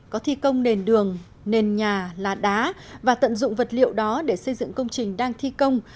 có thi công nền đường nền nhà lá đá và tận dụng vật liệu đó để xây dựng công trình đang thi công